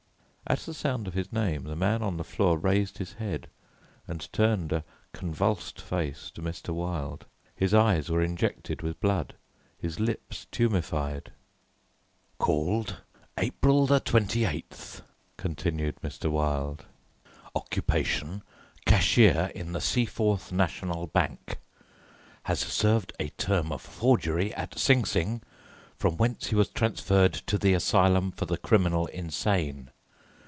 At the sound of his name, the man on the floor raised his head and turned a convulsed face to Mr. Wilde. His eyes were injected with blood, his lips tumefied. "Called April 28th," continued Mr. Wilde. "Occupation, cashier in the Seaforth National Bank; has served a term of forgery at Sing Sing, from whence he was transferred to the Asylum for the Criminal Insane.